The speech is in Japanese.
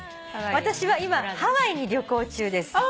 私は今ハワイに旅行中です」